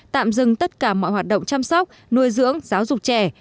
tạm dừng tất cả mọi hoạt động chăm sóc nuôi dưỡng giáo dục trẻ